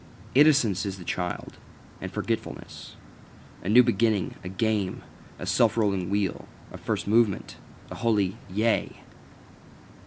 Innocence is the child, and forgetfulness, a new beginning, a game, a self rolling wheel, a first movement, a holy Yea.